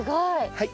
はい。